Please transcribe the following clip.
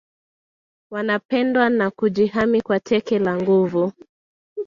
Wanapendwa na hujihami kwa teke la nguvu